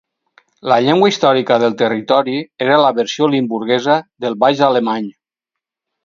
La llengua històrica del territori era la versió limburguesa del baix alemany.